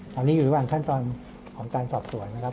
ตอนนี้อยู่ระหว่างขั้นตอนของการสอบสวนนะครับ